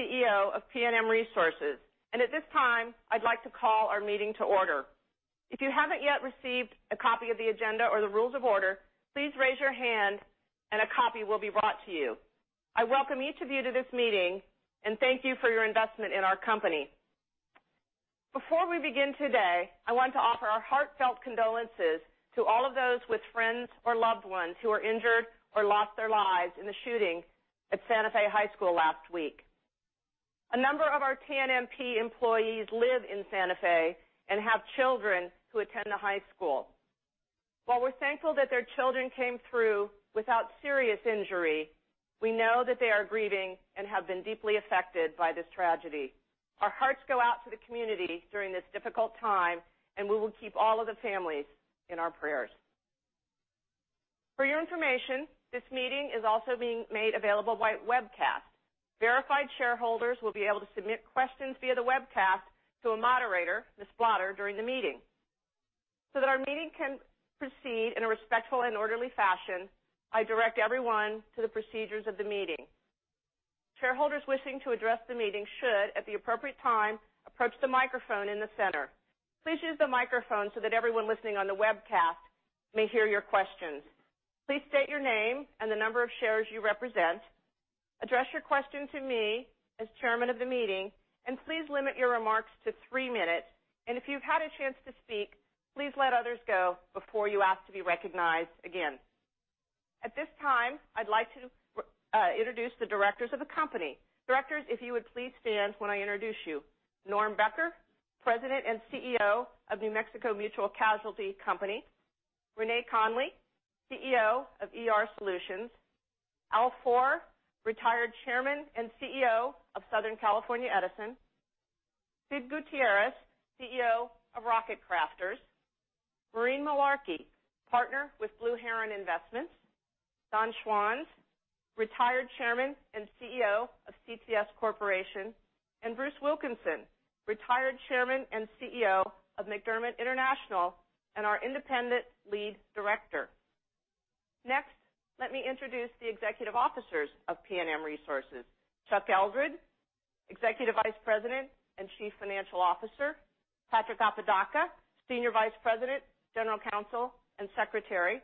CEO of PNM Resources. At this time, I'd like to call our meeting to order. If you haven't yet received a copy of the agenda or the rules of order, please raise your hand and a copy will be brought to you. I welcome each of you to this meeting, and thank you for your investment in our company. Before we begin today, I want to offer our heartfelt condolences to all of those with friends or loved ones who were injured or lost their lives in the shooting at Santa Fe High School last week. A number of our PNM employees live in Santa Fe and have children who attend the high school. While we're thankful that their children came through without serious injury, we know that they are grieving and have been deeply affected by this tragedy. Our hearts go out to the community during this difficult time, and we will keep all of the families in our prayers. For your information, this meeting is also being made available by webcast. Verified shareholders will be able to submit questions via the webcast to a moderator, Ms. Blatter, during the meeting. That our meeting can proceed in a respectful and orderly fashion, I direct everyone to the procedures of the meeting. Shareholders wishing to address the meeting should, at the appropriate time, approach the microphone in the center. Please use the microphone so that everyone listening on the webcast may hear your questions. Please state your name and the number of shares you represent. Address your question to me as chairman of the meeting, and please limit your remarks to three minutes. If you've had a chance to speak, please let others go before you ask to be recognized again. At this time, I'd like to introduce the directors of the company. Directors, if you would please stand when I introduce you. Norm Becker, President and CEO of New Mexico Mutual Casualty Company. Renee Conley, CEO of ER Solutions. Al Fohrer, retired Chairman and CEO of Southern California Edison. Sid Gutierrez, CEO of Rocket Crafters. Maureen Malarkey, partner with Blue Heron Investments. Don Schwanz, retired Chairman and CEO of CTS Corporation, and Bruce Wilkinson, retired Chairman and CEO of McDermott International and our independent lead director. Next, let me introduce the executive officers of PNM Resources. Chuck Eldred, Executive Vice President and Chief Financial Officer. Patrick Apodaca, Senior Vice President, General Counsel and Secretary.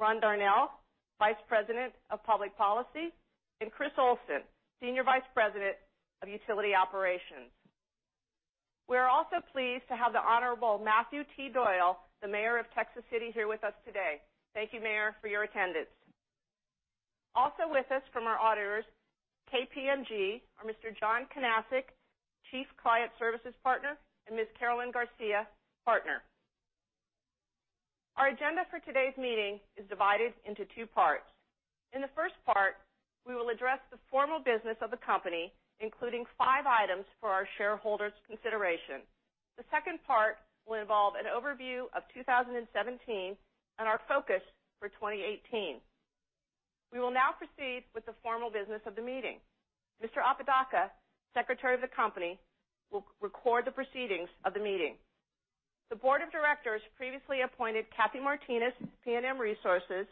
Ron Darnell, Vice President of Public Policy, and Chris Olson, Senior Vice President of Utility Operations. We are also pleased to have the Honorable Matthew T. Doyle, the mayor of Texas City, here with us today. Thank you, Mayor, for your attendance. Also with us from our auditors, KPMG, are Mr. John Kanasic, Chief Client Services Partner, and Ms. Carolyn Garcia, Partner. Our agenda for today's meeting is divided into two parts. In the first part, we will address the formal business of the company, including five items for our shareholders' consideration. The second part will involve an overview of 2017 and our focus for 2018. We will now proceed with the formal business of the meeting. Mr. Apodaca, Secretary of the company, will record the proceedings of the meeting. The Board of Directors previously appointed Kathy Martinez, PNM Resources,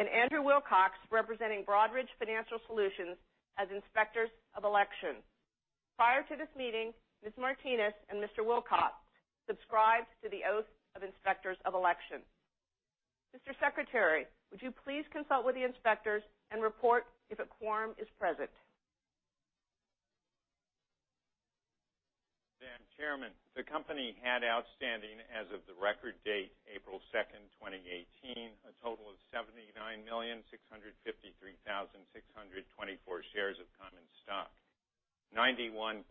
and Andrew Wilcox, representing Broadridge Financial Solutions, as inspectors of election. Prior to this meeting, Ms. Martinez and Mr. Wilcox subscribed to the oath of inspectors of election. Mr. Secretary, would you please consult with the inspectors and report if a quorum is present? Madam Chairman, the company had outstanding as of the record date, April 2nd, 2018, a total of 79,653,624 shares of common stock. 91.09%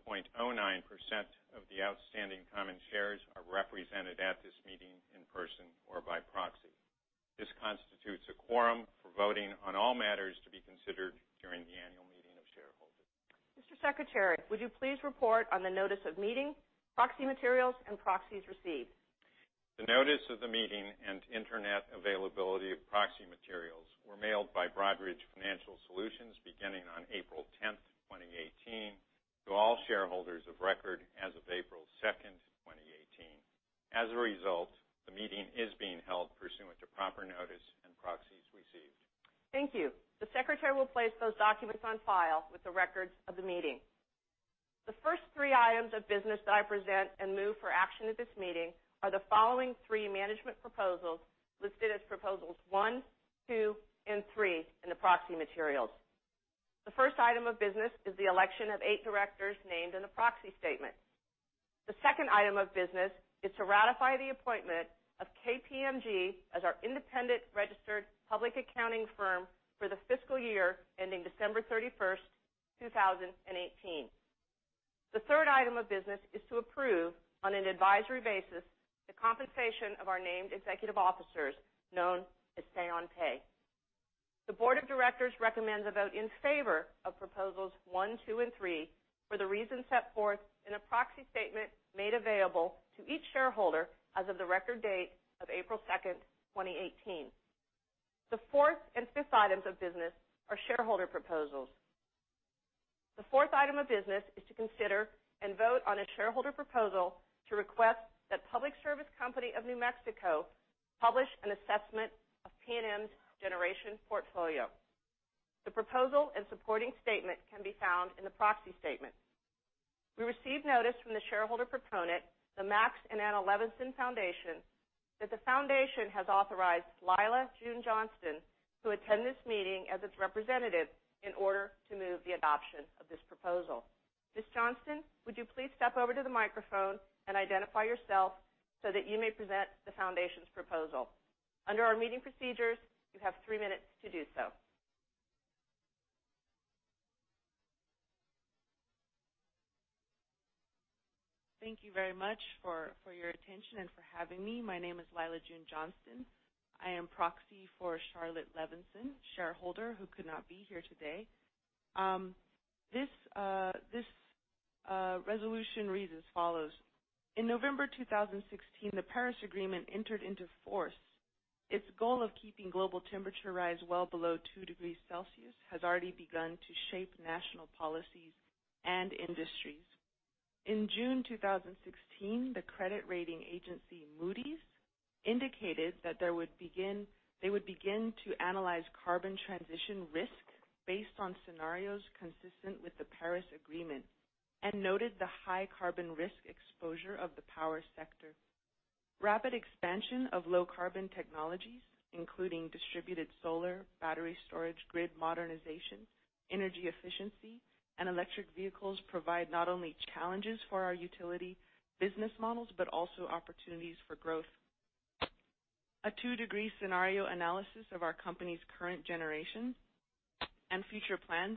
of the outstanding common shares are represented at this meeting in person or by proxy. This constitutes a quorum for voting on all matters to be considered during the annual meeting of shareholders. Mr. Secretary, would you please report on the notice of meeting, proxy materials, and proxies received? The notice of the meeting and internet availability of proxy materials were mailed by Broadridge Financial Solutions beginning on April 10th, 2018, to all shareholders of record as of April 2nd, 2018. As a result, the meeting is being held pursuant to proper notice and proxies received. Thank you. The secretary will place those documents on file with the records of the meeting. The first three items of business that I present and move for action at this meeting are the following three management proposals listed as proposals one, two, and three in the proxy materials. The first item of business is the election of eight directors named in the proxy statement. The second item of business is to ratify the appointment of KPMG as our independent registered public accounting firm for the fiscal year ending December 31st, 2018. The third item of business is to approve on an advisory basis the compensation of our named executive officers known as say on pay. The board of directors recommend a vote in favor of proposals one, two, and three for the reasons set forth in a proxy statement made available to each shareholder as of the record date of April 2nd, 2018. The fourth and fifth items of business are shareholder proposals. The fourth item of business is to consider and vote on a shareholder proposal to request that Public Service Company of New Mexico publish an assessment PNM's generation portfolio. The proposal and supporting statement can be found in the proxy statement. We received notice from the shareholder proponent, the Max and Anne Levinson Foundation, that the foundation has authorized Lila June Johnston to attend this meeting as its representative in order to move the adoption of this proposal. Ms. Johnston, would you please step over to the microphone and identify yourself so that you may present the foundation's proposal? Under our meeting procedures, you have three minutes to do so. Thank you very much for your attention and for having me. My name is Lila June Johnston. I am proxy for Charlotte Levinson, shareholder who could not be here today. This resolution reads as follows. In November 2016, the Paris Agreement entered into force. Its goal of keeping global temperature rise well below two degrees Celsius has already begun to shape national policies and industries. In June 2016, the credit rating agency, Moody's, indicated that they would begin to analyze carbon transition risk based on scenarios consistent with the Paris Agreement and noted the high carbon risk exposure of the power sector. Rapid expansion of low carbon technologies, including distributed solar, battery storage, grid modernization, energy efficiency, and electric vehicles provide not only challenges for our utility business models, but also opportunities for growth. A 2-degree scenario analysis of our company's current generation and future plans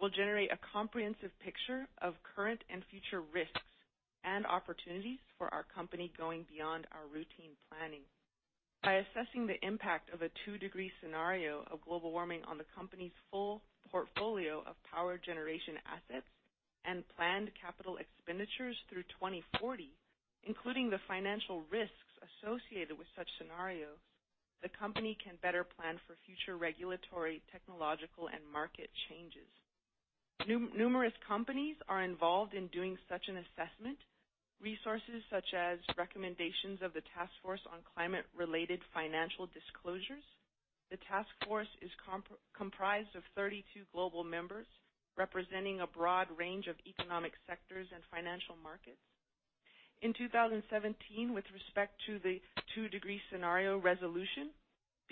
will generate a comprehensive picture of current and future risks and opportunities for our company going beyond our routine planning. By assessing the impact of a 2-degree scenario of global warming on the company's full portfolio of power generation assets and planned capital expenditures through 2040, including the financial risks associated with such scenarios, the company can better plan for future regulatory, technological, and market changes. Numerous companies are involved in doing such an assessment. Resources such as recommendations of the Task Force on Climate-related Financial Disclosures. The task force is comprised of 32 global members representing a broad range of economic sectors and financial markets. In 2017, with respect to the 2-degree scenario resolution,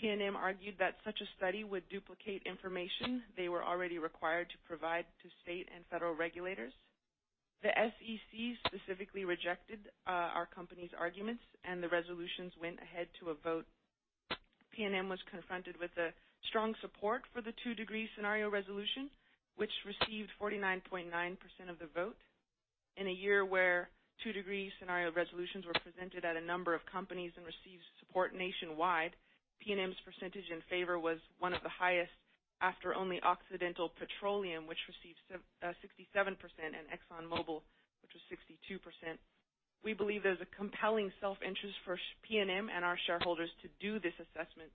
PNM argued that such a study would duplicate information they were already required to provide to state and federal regulators. The SEC specifically rejected our company's arguments, and the resolutions went ahead to a vote. PNM was confronted with strong support for the 2-degree scenario resolution, which received 49.9% of the vote. In a year where 2-degree scenario resolutions were presented at a number of companies and received support nationwide, PNM's percentage in favor was one of the highest after only Occidental Petroleum, which received 67%, and Exxon Mobil, which was 62%. We believe there's a compelling self-interest for PNM and our shareholders to do this assessment.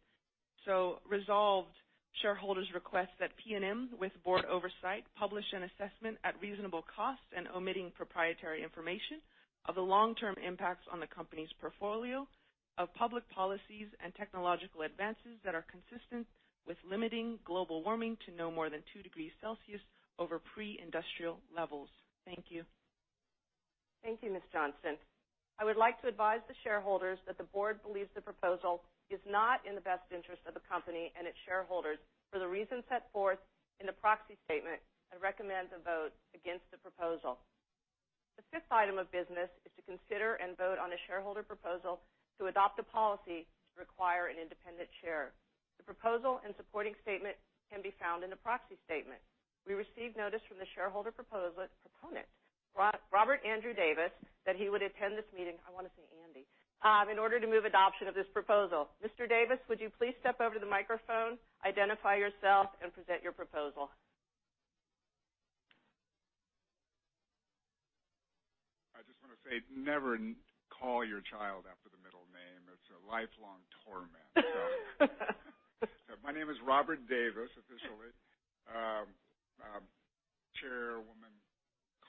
Shareholders request that PNM, with board oversight, publish an assessment at reasonable cost and omitting proprietary information of the long-term impacts on the company's portfolio of public policies and technological advances that are consistent with limiting global warming to no more than 2 degrees Celsius over pre-industrial levels. Thank you. Thank you, Ms. Johnston. I would like to advise the shareholders that the board believes the proposal is not in the best interest of the company and its shareholders for the reasons set forth in the proxy statement and recommend to vote against the proposal. The fifth item of business is to consider and vote on a shareholder proposal to adopt a policy to require an independent chair. The proposal and supporting statement can be found in the proxy statement. We received notice from the shareholder proponent, Robert Andrew Davis, that he would attend this meeting, I want to say Andy, in order to move adoption of this proposal. Mr. Davis, would you please step over to the microphone, identify yourself, and present your proposal? I just want to say, never call your child after the middle name. It's a lifelong torment. My name is Robert Davis, officially. Chairwoman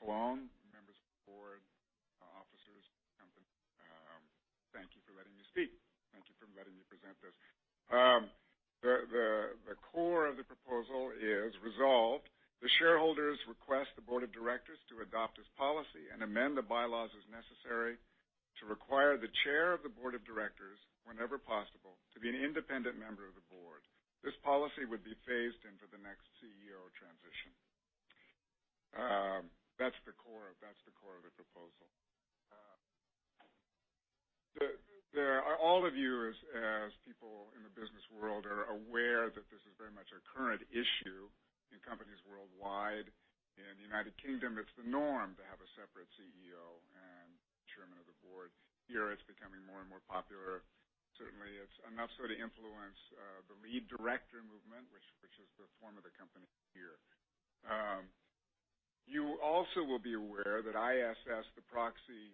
Collawn, members of the board, officers of the company thank you for letting me speak. Thank you for letting me present this. The core of the proposal is resolved. The shareholders request the board of directors to adopt this policy and amend the bylaws as necessary to require the chair of the board of directors, whenever possible, to be an independent member of the board. This policy would be phased in for the next CEO transition. That's the core of the proposal. All of you, as people in the business world, are aware that this is very much a current issue in companies worldwide. In the United Kingdom, it's the norm to have a separate CEO and chairman of the board. Here, it's becoming more and more popular. Certainly, it's enough so to influence the lead director movement, which is the form of the company here. You also will be aware that ISS, the proxy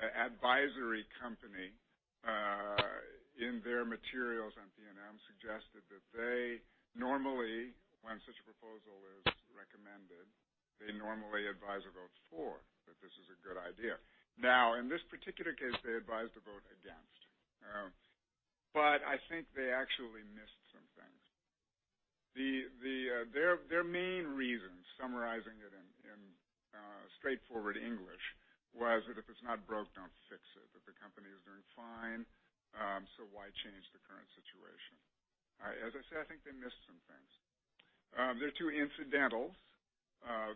advisory company, in their materials suggested that they normally, when such a proposal is recommended, they normally advise a vote for, that this is a good idea. In this particular case, they advised a vote against. I think they actually missed some things. Their main reason, summarizing it in straightforward English, was that if it's not broke, don't fix it, that the company is doing fine, so why change the current situation? As I said, I think they missed some things. There are two incidentals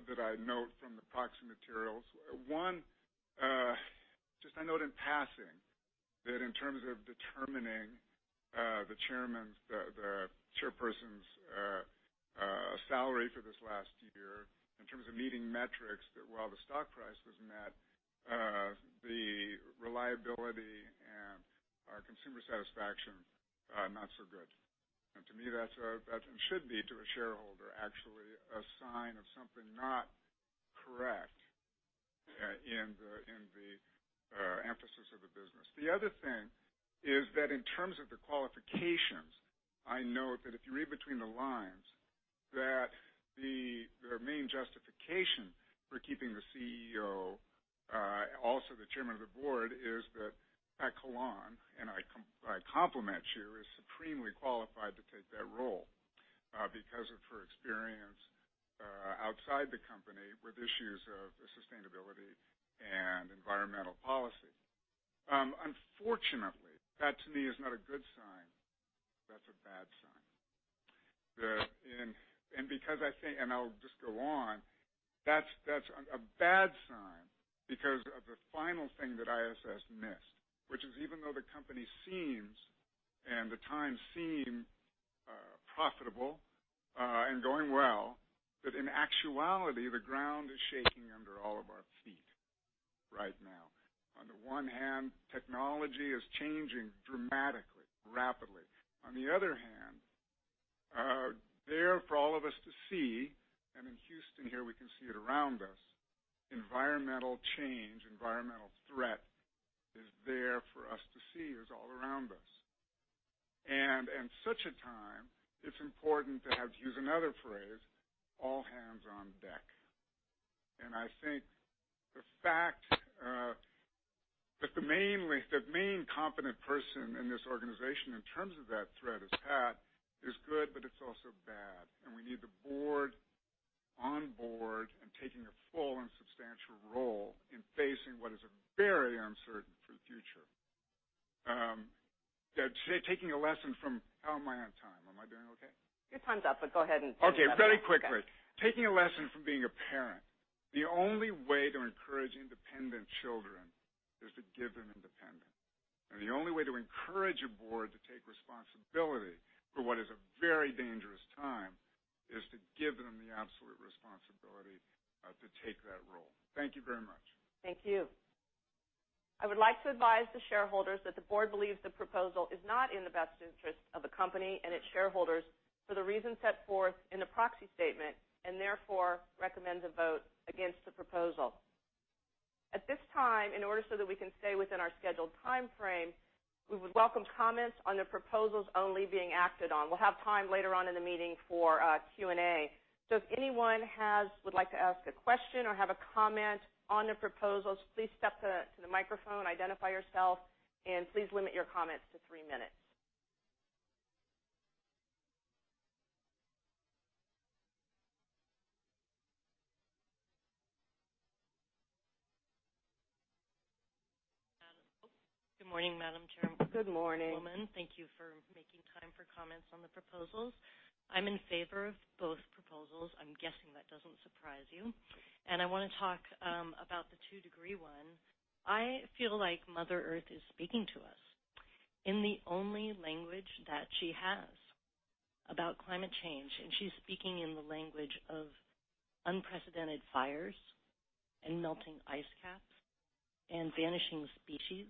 that I note from the proxy materials. One, just a note in passing, that in terms of determining the chairperson's salary for this last year, in terms of meeting metrics, that while the stock price was met, the reliability and our consumer satisfaction, not so good. To me, that should be, to a shareholder, actually, a sign of something not correct in the emphasis of the business. The other thing is that in terms of the qualifications, I note that if you read between the lines, that their main justification for keeping the CEO, also the chairman of the board, is that Pat Collawn, and I compliment you, is supremely qualified to take that role because of her experience outside the company with issues of sustainability and environmental policy. Unfortunately, that to me is not a good sign. That's a bad sign. I'll just go on. That's a bad sign because of the final thing that ISS missed, which is even though the company seems, and the times seem profitable and going well, that in actuality, the ground is shaking under all of our feet right now. On the one hand, technology is changing dramatically, rapidly. On the other hand, there for all of us to see, and in Houston here we can see it around us, environmental change, environmental threat is there for us to see. It's all around us. In such a time, it's important to have, to use another phrase, all hands on deck. I think the fact that the main competent person in this organization in terms of that threat is Pat, is good, but it's also bad, and we need the board on board and taking a full and substantial role in facing what is a very uncertain future. How am I on time? Am I doing okay? Your time's up. Go ahead and finish that thought. Okay. Very quickly. Okay. Taking a lesson from being a parent, the only way to encourage independent children is to give them independence. The only way to encourage a board to take responsibility for what is a very dangerous time is to give them the absolute responsibility to take that role. Thank you very much. Thank you. I would like to advise the shareholders that the board believes the proposal is not in the best interest of the company and its shareholders for the reasons set forth in the proxy statement, and therefore recommend a vote against the proposal. At this time, in order so that we can stay within our scheduled timeframe, we would welcome comments on the proposals only being acted on. We'll have time later on in the meeting for Q&A. If anyone would like to ask a question or have a comment on the proposals, please step to the microphone, identify yourself, and please limit your comments to three minutes. Good morning, Madam Chair. Good morning. Thank you for making time for comments on the proposals. I'm in favor of both proposals. I'm guessing that doesn't surprise you. I want to talk about the 2-degree one. I feel like Mother Earth is speaking to us in the only language that she has about climate change. She's speaking in the language of unprecedented fires and melting ice caps and vanishing species.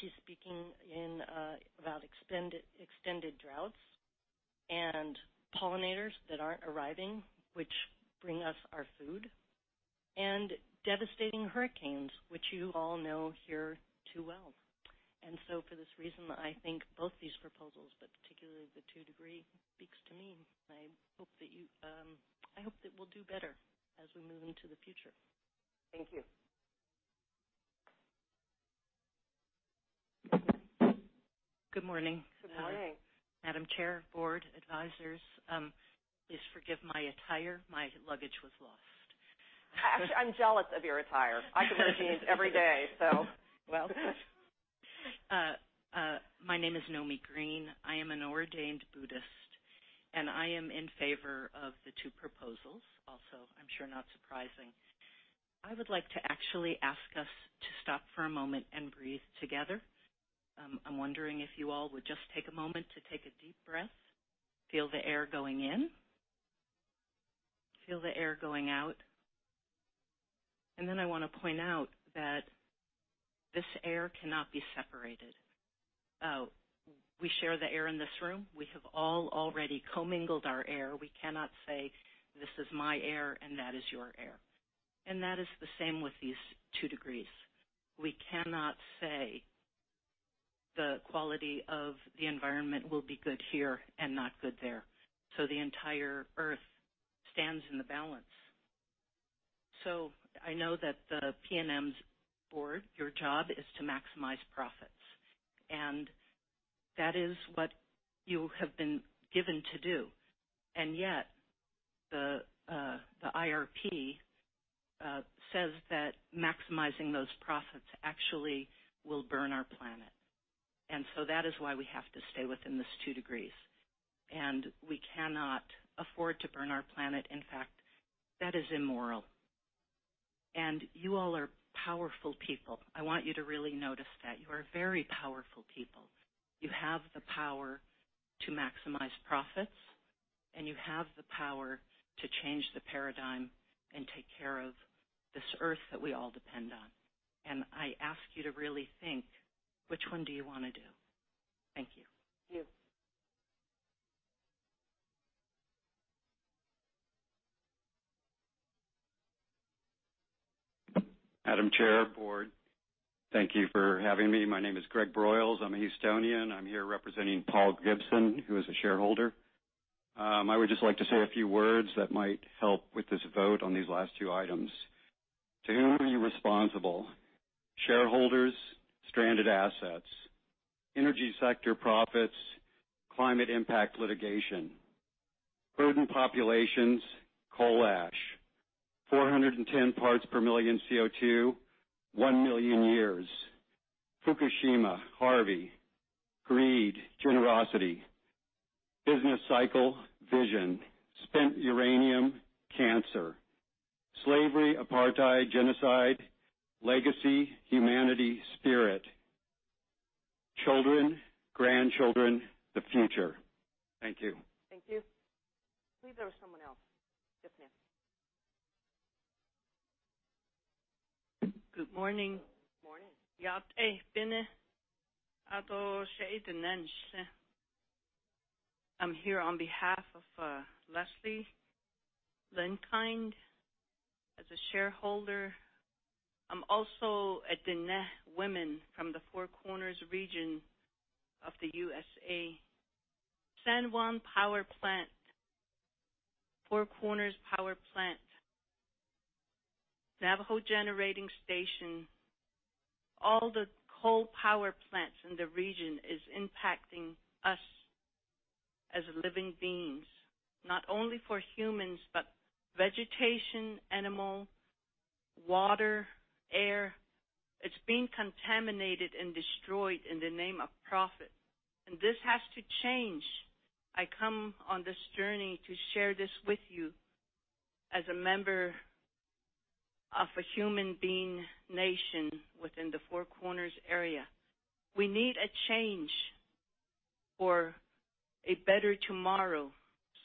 She's speaking about extended droughts and pollinators that aren't arriving, which bring us our food, and devastating hurricanes, which you all know here too well. For this reason, I think both these proposals, but particularly the 2-degree, speaks to me, and I hope that we'll do better as we move into the future. Thank you. Good morning. Good morning. Madam Chair, board, advisors, please forgive my attire. My luggage was lost. Actually, I'm jealous of your attire. I could wear jeans every day. Well done. My name is Nomi Green. I am an ordained Buddhist, I am in favor of the two proposals also, I'm sure not surprising. I would like to actually ask us to stop for a moment and breathe together. I'm wondering if you all would just take a moment to take a deep breath, feel the air going in, feel the air going out. I want to point out that this air cannot be separated. We share the air in this room. We have all already commingled our air. We cannot say, "This is my air, and that is your air." That is the same with these two degrees. We cannot say the quality of the environment will be good here and not good there. The entire Earth stands in the balance. I know that the PNM's board, your job is to maximize profits, that is what you have been given to do. Yet, the IRP says that maximizing those profits actually will burn our planet. That is why we have to stay within this two degrees. We cannot afford to burn our planet. In fact, that is immoral. You all are powerful people. I want you to really notice that. You are very powerful people. You have the power to maximize profits, you have the power to change the paradigm and take care of this Earth that we all depend on. I ask you to really think, which one do you want to do? Thank you. Thank you. Madam Chair, Board, thank you for having me. My name is Greg Broyles. I'm a Houstonian. I'm here representing Paul Gibson, who is a shareholder. I would just like to say a few words that might help with this vote on these last two items. To whom are you responsible? Shareholders, stranded assets, energy sector profits, climate impact litigation, urban populations, coal ash, 410 parts per million CO2, one million years, Fukushima, Harvey, greed, generosity, business cycle, vision, spent uranium, cancer, slavery, apartheid, genocide, legacy, humanity, spirit, children, grandchildren, the future. Thank you. Thank you. I believe there was someone else just now. Good morning. Morning. I'm here on behalf of Leslie Lenk-Ind as a shareholder. I'm also a Diné woman from the Four Corners region of the U.S.A. San Juan Power Plant, Four Corners Power Plant, Navajo Generating Station, all the coal power plants in the region is impacting us as living beings. Not only for humans, but vegetation, animal, water, air. It's being contaminated and destroyed in the name of profit, this has to change. I come on this journey to share this with you as a member of a human being nation within the Four Corners area. We need a change for a better tomorrow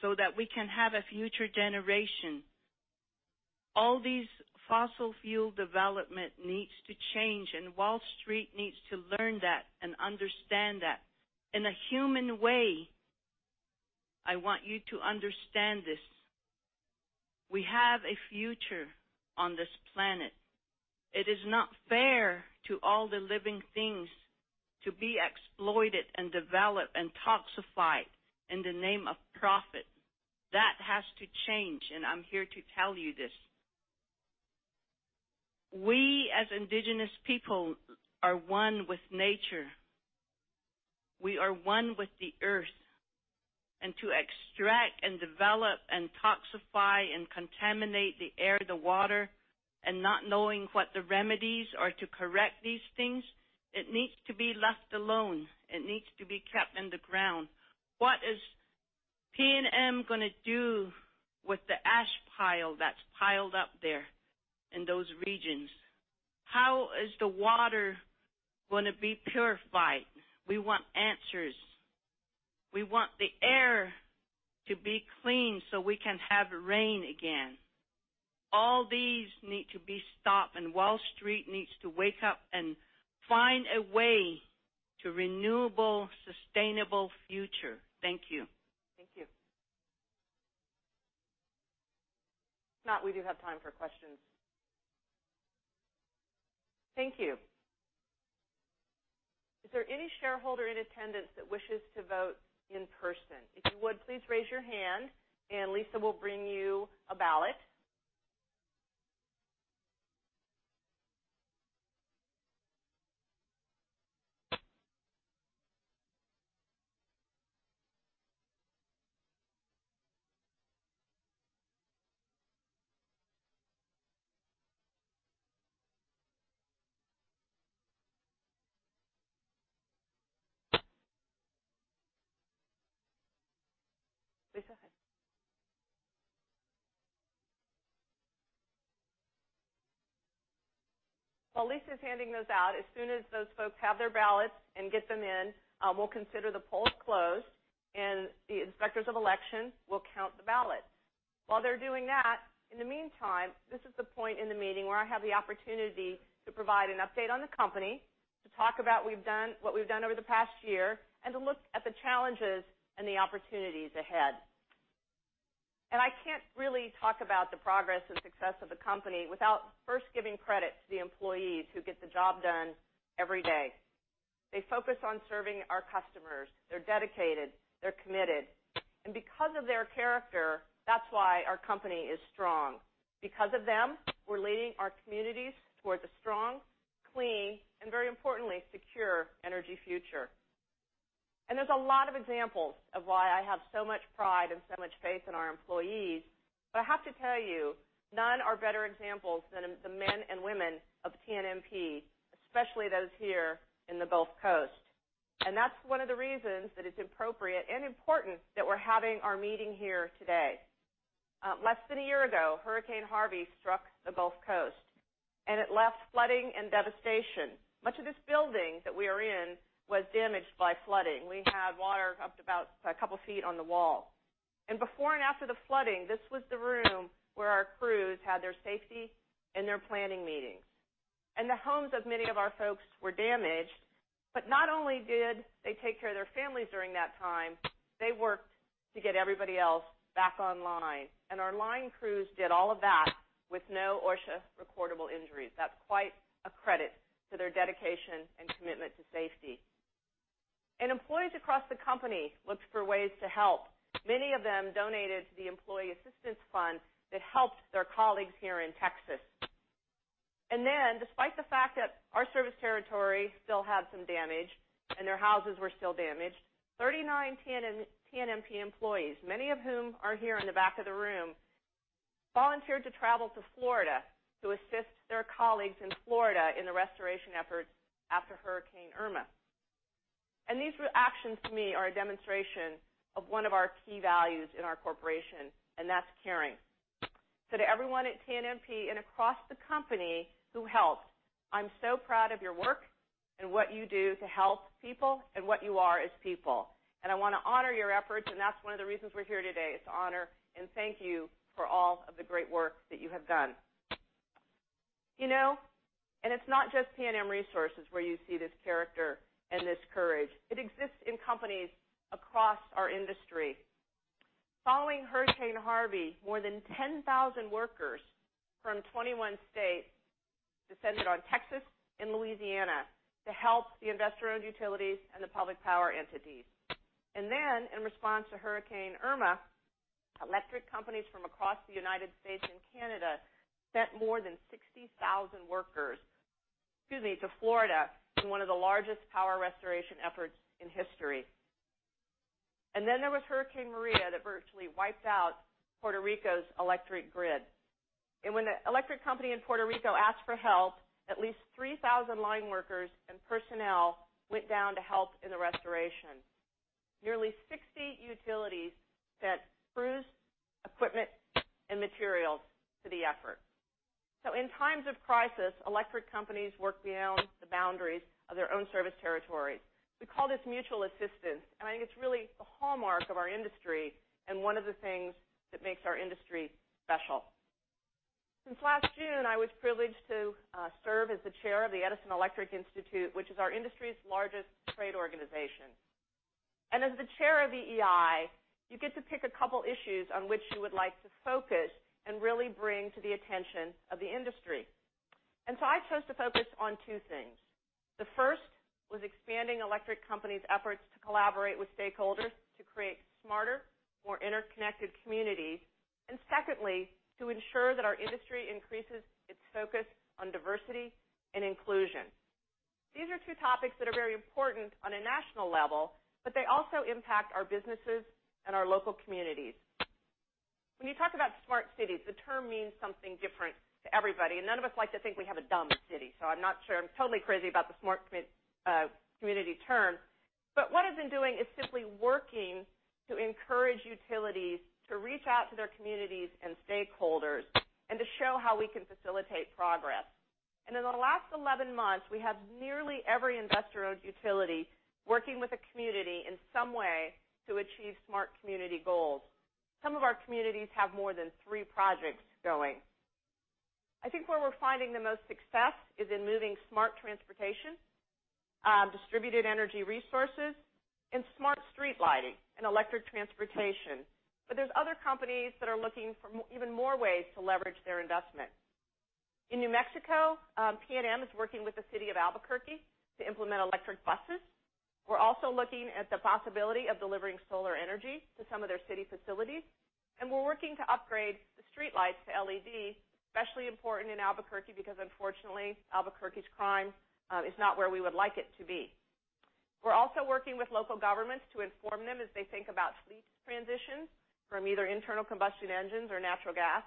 so that we can have a future generation. All these fossil fuel development needs to change, Wall Street needs to learn that and understand that in a human way. I want you to understand this. We have a future on this planet. It is not fair to all the living things to be exploited and developed and toxified in the name of profit. That has to change, I'm here to tell you this. We, as indigenous people, are one with nature. We are one with the Earth, to extract and develop and toxify and contaminate the air, the water, and not knowing what the remedies are to correct these things, it needs to be left alone. It needs to be kept in the ground. What is PNM going to do with the ash pile that's piled up there in those regions? How is the water going to be purified? We want answers. We want the air to be clean so we can have rain again. All these need to be stopped, Wall Street needs to wake up and find a way to renewable, sustainable future. Thank you. Thank you. If not, we do have time for questions. Thank you. Is there any shareholder in attendance that wishes to vote in person? If you would, please raise your hand, and Lisa will bring you a ballot. Lisa, hi. While Lisa's handing those out, as soon as those folks have their ballots and get them in, we'll consider the polls closed, and the inspectors of election will count the ballots. While they're doing that, in the meantime, this is the point in the meeting where I have the opportunity to provide an update on the company. To talk about what we've done over the past year and to look at the challenges and the opportunities ahead. I can't really talk about the progress and success of the company without first giving credit to the employees who get the job done every day. They focus on serving our customers. They're dedicated, they're committed, because of their character, that's why our company is strong. Because of them, we're leading our communities towards a strong, clean, and very importantly, secure energy future. There's a lot of examples of why I have so much pride and so much faith in our employees, but I have to tell you, none are better examples than the men and women of TNMP, especially those here in the Gulf Coast. That's one of the reasons that it's appropriate and important that we're having our meeting here today. Less than a year ago, Hurricane Harvey struck the Gulf Coast, and it left flooding and devastation. Much of this building that we are in was damaged by flooding. We had water up to about a couple feet on the wall. Before and after the flooding, this was the room where our crews had their safety and their planning meetings. The homes of many of our folks were damaged. Not only did they take care of their families during that time, they worked to get everybody else back online. Our line crews did all of that with no OSHA recordable injuries. That's quite a credit to their dedication and commitment to safety. Employees across the company looked for ways to help. Many of them donated to the employee assistance fund that helped their colleagues here in Texas. Despite the fact that our service territory still had some damage and their houses were still damaged, 39 TNMP employees, many of whom are here in the back of the room, volunteered to travel to Florida to assist their colleagues in Florida in the restoration efforts after Hurricane Irma. These actions, to me, are a demonstration of one of our key values in our corporation, and that's caring. To everyone at TNMP and across the company who helped, I'm so proud of your work and what you do to help people, and what you are as people. I want to honor your efforts, and that's one of the reasons we're here today, is to honor and thank you for all of the great work that you have done. It's not just PNM Resources where you see this character and this courage. It exists in companies across our industry. Following Hurricane Harvey, more than 10,000 workers from 21 states descended on Texas and Louisiana to help the investor-owned utilities and the public power entities. Then, in response to Hurricane Irma, electric companies from across the United States and Canada sent more than 60,000 workers to Florida in one of the largest power restoration efforts in history. Then there was Hurricane Maria that virtually wiped out Puerto Rico's electric grid. When the electric company in Puerto Rico asked for help, at least 3,000 line workers and personnel went down to help in the restoration. Nearly 60 utilities sent crews, equipment, and materials to the effort. In times of crisis, electric companies work beyond the boundaries of their own service territories. We call this mutual assistance, and I think it's really the hallmark of our industry and one of the things that makes our industry special. Since last June, I was privileged to serve as the chair of the Edison Electric Institute, which is our industry's largest trade organization. As the chair of EEI, you get to pick a couple issues on which you would like to focus and really bring to the attention of the industry. I chose to focus on two things. The first was expanding electric companies' efforts to collaborate with stakeholders to create smarter, more interconnected communities, and secondly, to ensure that our industry increases its focus on diversity and inclusion. These are two topics that are very important on a national level, but they also impact our businesses and our local communities. When you talk about smart cities, the term means something different to everybody, and none of us like to think we have a dumb city, so I'm not sure I'm totally crazy about the smart community term. What I've been doing is simply working to encourage utilities to reach out to their communities and stakeholders and to show how we can facilitate progress. In the last 11 months, we have nearly every investor-owned utility working with a community in some way to achieve smart community goals. Some of our communities have more than three projects going. I think where we're finding the most success is in moving smart transportation, distributed energy resources, and smart street lighting and electric transportation. There's other companies that are looking for even more ways to leverage their investment. In New Mexico, PNM is working with the City of Albuquerque to implement electric buses. We're also looking at the possibility of delivering solar energy to some of their city facilities. We're working to upgrade the streetlights to LED, especially important in Albuquerque because unfortunately, Albuquerque's crime is not where we would like it to be. We're also working with local governments to inform them as they think about fleet transitions from either internal combustion engines or natural gas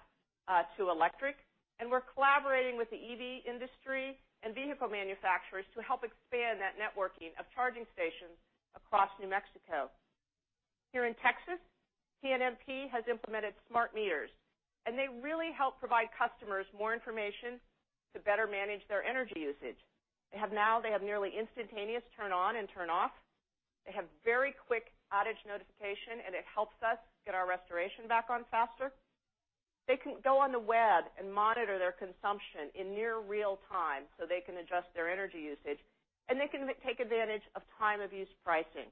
to electric. We're collaborating with the EV industry and vehicle manufacturers to help expand that networking of charging stations across New Mexico. Here in Texas, TNMP has implemented smart meters, and they really help provide customers more information to better manage their energy usage. They have now nearly instantaneous turn on and turn off. They have very quick outage notification, it helps us get our restoration back on faster. They can go on the web and monitor their consumption in near real time, so they can adjust their energy usage, they can take advantage of time-of-use pricing.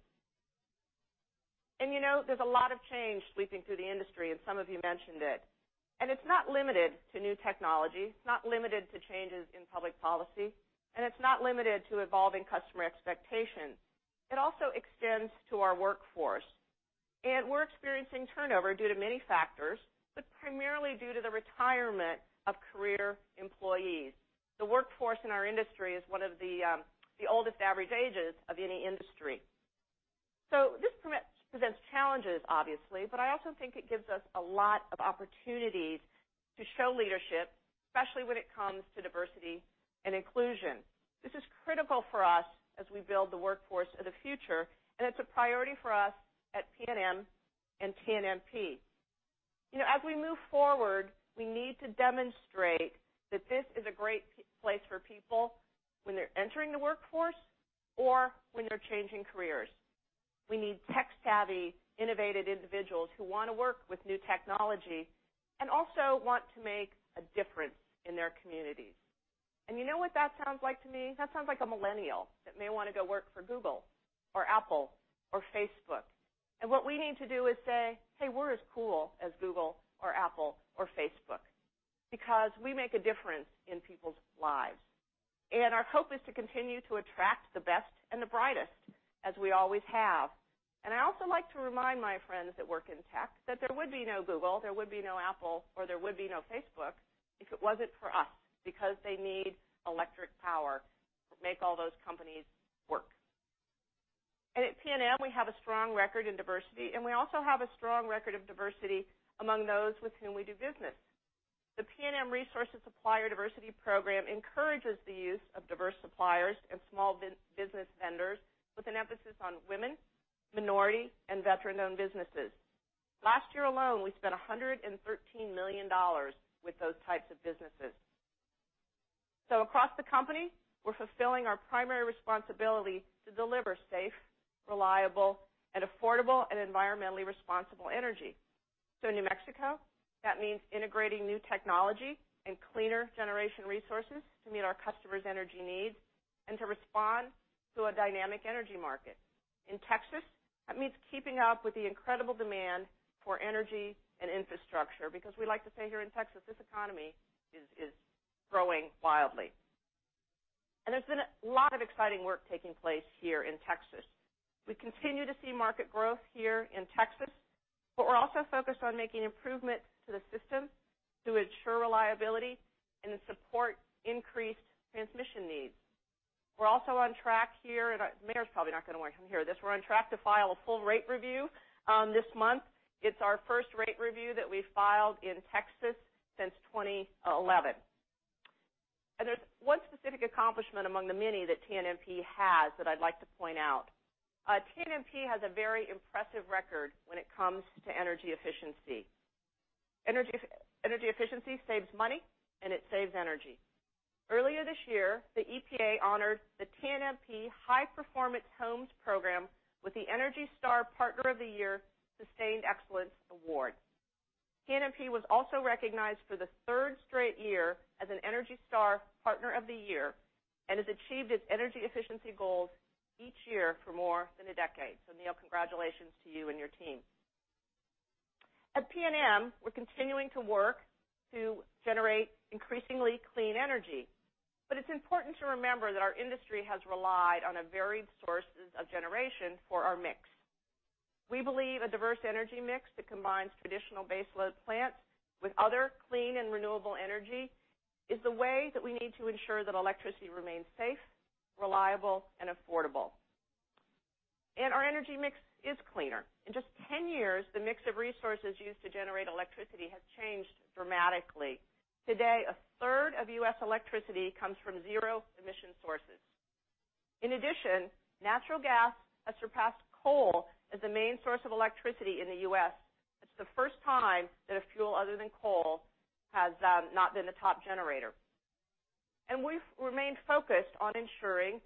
There's a lot of change sweeping through the industry, and some of you mentioned it's not limited to new technology, it's not limited to changes in public policy, it's not limited to evolving customer expectations. It also extends to our workforce. We're experiencing turnover due to many factors, but primarily due to the retirement of career employees. The workforce in our industry is one of the oldest average ages of any industry. This presents challenges, obviously, but I also think it gives us a lot of opportunities to show leadership, especially when it comes to diversity and inclusion. This is critical for us as we build the workforce of the future, it's a priority for us at PNM and TNMP. As we move forward, we need to demonstrate that this is a great place for people when they're entering the workforce or when they're changing careers. We need tech-savvy, innovative individuals who want to work with new technology and also want to make a difference in their communities. You know what that sounds like to me? That sounds like a millennial that may want to go work for Google or Apple or Facebook. What we need to do is say, "Hey, we're as cool as Google or Apple or Facebook because we make a difference in people's lives." Our hope is to continue to attract the best and the brightest, as we always have. I also like to remind my friends that work in tech that there would be no Google, there would be no Apple, or there would be no Facebook if it wasn't for us, because they need electric power to make all those companies work. At PNM, we have a strong record in diversity, and we also have a strong record of diversity among those with whom we do business. The PNM Resources and Supplier Diversity program encourages the use of diverse suppliers and small business vendors with an emphasis on women, minority, and veteran-owned businesses. Last year alone, we spent $113 million with those types of businesses. Across the company, we're fulfilling our primary responsibility to deliver safe, reliable, affordable, and environmentally responsible energy. New Mexico, that means integrating new technology and cleaner generation resources to meet our customers' energy needs and to respond to a dynamic energy market. In Texas, that means keeping up with the incredible demand for energy and infrastructure because we like to say here in Texas, this economy is growing wildly. There's been a lot of exciting work taking place here in Texas. We continue to see market growth here in Texas, but we're also focused on making improvements to the system to ensure reliability and to support increased transmission needs. We're also on track here, and Mayor's probably not going to want to hear this. We're on track to file a full rate review this month. It's our first rate review that we've filed in Texas since 2011. There's one specific accomplishment among the many that TNMP has that I'd like to point out. TNMP has a very impressive record when it comes to energy efficiency. Energy efficiency saves money, and it saves energy. Earlier this year, the EPA honored the TNMP High-Performance Homes Program with the ENERGY STAR Partner of the Year Sustained Excellence Award. TNMP was also recognized for the third straight year as an ENERGY STAR Partner of the Year and has achieved its energy efficiency goals each year for more than a decade. Neal, congratulations to you and your team. At PNM, we're continuing to work to generate increasingly clean energy, it's important to remember that our industry has relied on varied sources of generation for our mix. We believe a diverse energy mix that combines traditional baseload plants with other clean and renewable energy is the way that we need to ensure that electricity remains safe, reliable, and affordable. Our energy mix is cleaner. In just 10 years, the mix of resources used to generate electricity has changed dramatically. Today, a third of U.S. electricity comes from zero-emission sources. In addition, natural gas has surpassed coal as the main source of electricity in the U.S. It's the first time that a fuel other than coal has not been the top generator. We've remained focused on ensuring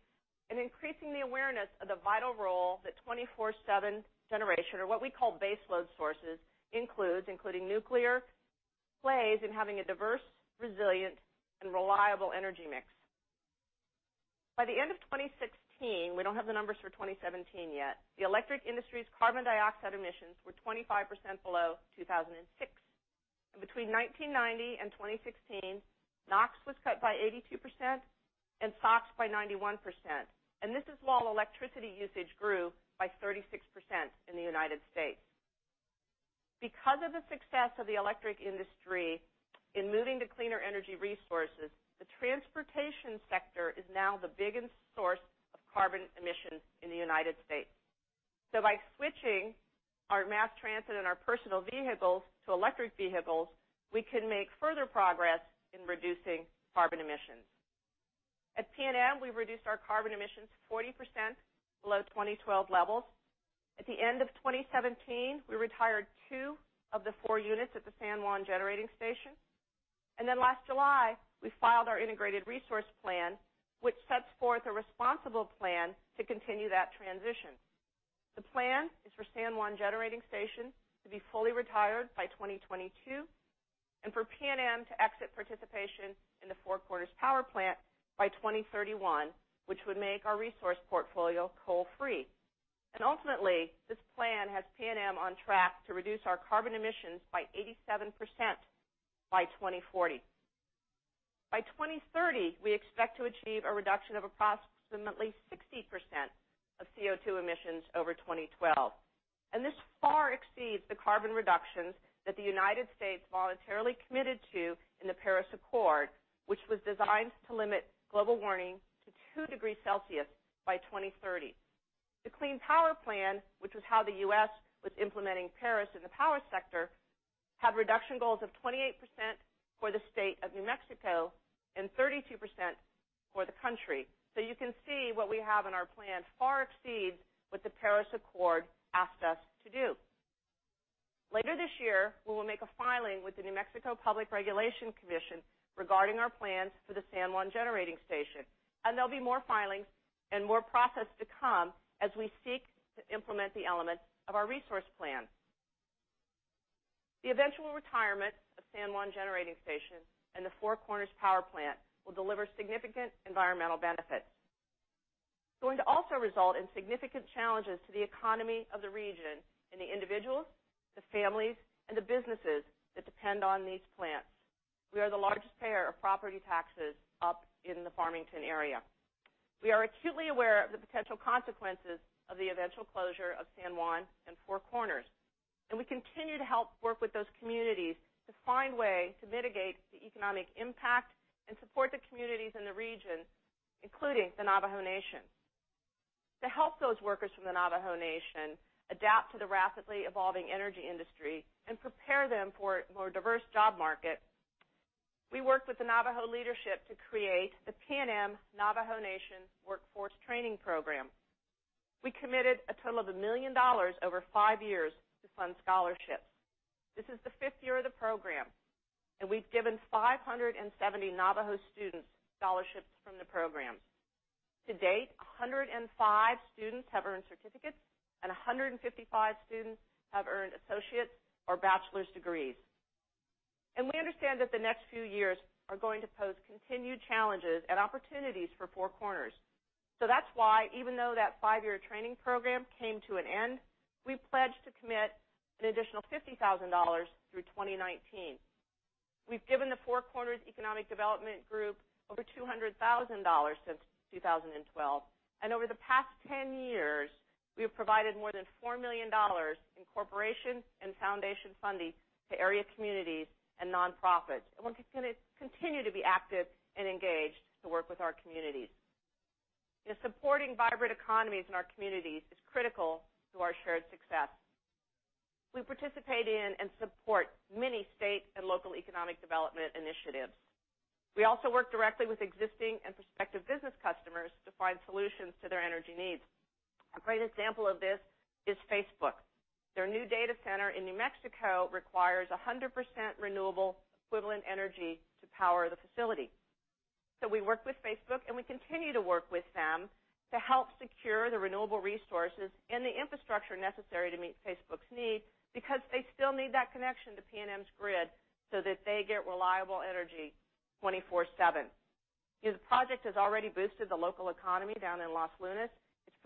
and increasing the awareness of the vital role that 24/7 generation, or what we call baseload sources, includes, including nuclear plays in having a diverse, resilient, and reliable energy mix. By the end of 2016, we don't have the numbers for 2017 yet, the electric industry's carbon dioxide emissions were 25% below 2006. Between 1990 and 2016, NOx was cut by 82% and SOx by 91%. This is while electricity usage grew by 36% in the United States. Because of the success of the electric industry in moving to cleaner energy resources, the transportation sector is now the biggest source of carbon emissions in the United States. By switching our mass transit and our personal vehicles to electric vehicles, we can make further progress in reducing carbon emissions. At PNM, we've reduced our carbon emissions 40% below 2012 levels. At the end of 2017, we retired 2 of the 4 units at the San Juan Generating Station. Then last July, we filed our Integrated Resource Plan, which sets forth a responsible plan to continue that transition. The plan is for San Juan Generating Station to be fully retired by 2022 and for PNM to exit participation in the Four Corners Power Plant by 2031, which would make our resource portfolio coal-free. Ultimately, this plan has PNM on track to reduce our carbon emissions by 87% by 2040. By 2030, we expect to achieve a reduction of approximately 60% of CO2 emissions over 2012. This far exceeds the carbon reductions that the United States voluntarily committed to in the Paris Accord, which was designed to limit global warming to 2 degrees Celsius by 2030. The Clean Power Plan, which was how the U.S. was implementing Paris in the power sector, had reduction goals of 28% for the state of New Mexico and 32% for the country. You can see what we have in our plan far exceeds what the Paris Accord asked us to do. Later this year, we will make a filing with the New Mexico Public Regulation Commission regarding our plans for the San Juan Generating Station. There'll be more filings and more process to come as we seek to implement the elements of our resource plan. The eventual retirement of San Juan Generating Station and the Four Corners Power Plant will deliver significant environmental benefits. It's going to also result in significant challenges to the economy of the region and the individuals, the families, and the businesses that depend on these plants. We are the largest payer of property taxes up in the Farmington area. We are acutely aware of the potential consequences of the eventual closure of San Juan and Four Corners. We continue to help work with those communities to find ways to mitigate the economic impact and support the communities in the region, including the Navajo Nation. To help those workers from the Navajo Nation adapt to the rapidly evolving energy industry and prepare them for a more diverse job market, we worked with the Navajo leadership to create the PNM Navajo Nation Workforce Training Program. We committed a total of $1 million over 5 years to fund scholarships. This is the fifth year of the program, and we've given 570 Navajo students scholarships from the program. To date, 105 students have earned certificates, and 155 students have earned associate's or bachelor's degrees. We understand that the next few years are going to pose continued challenges and opportunities for Four Corners. That's why even though that 5-year training program came to an end, we pledged to commit an additional $50,000 through 2019. We've given the Four Corners Economic Development over $200,000 since 2012. Over the past 10 years, we have provided more than $4 million in corporation and foundation funding to area communities and nonprofits. We're going to continue to be active and engaged to work with our communities. Supporting vibrant economies in our communities is critical to our shared success. We participate in and support many state and local economic development initiatives. We also work directly with existing and prospective business customers to find solutions to their energy needs. A great example of this is Facebook. Their new data center in New Mexico requires 100% renewable equivalent energy to power the facility. We worked with Facebook, and we continue to work with them to help secure the renewable resources and the infrastructure necessary to meet Facebook's needs because they still need that connection to PNM's grid so that they get reliable energy 24/7. The project has already boosted the local economy down in Los Lunas.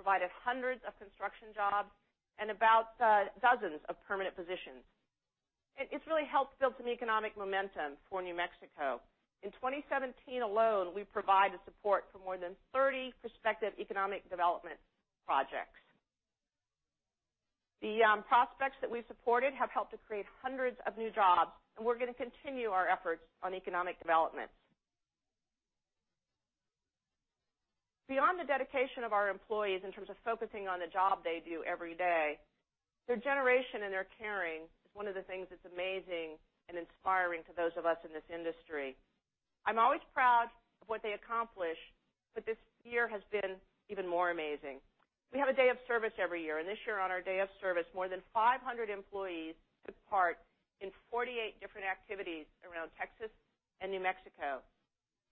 It's provided hundreds of construction jobs and about dozens of permanent positions. It's really helped build some economic momentum for New Mexico. In 2017 alone, we provided support for more than 30 prospective economic development projects. The prospects that we've supported have helped to create hundreds of new jobs. We're going to continue our efforts on economic development. Beyond the dedication of our employees in terms of focusing on the job they do every day, their generation and their caring is one of the things that's amazing and inspiring to those of us in this industry. I'm always proud of what they accomplish, but this year has been even more amazing. We have a day of service every year, and this year on our day of service, more than 500 employees took part in 48 different activities around Texas and New Mexico.